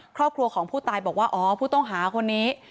ครอบครัวของผู้ตายบอกว่าอ๋อผู้ต้องหาคนนี้